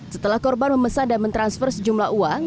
setelah korban memesan dan mentransfer sejumlah uang